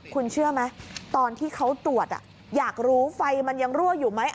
คุณเชื่อไหมตอนที่เขาตรวจอยากรู้ไฟมันยังรั่วอยู่ไหม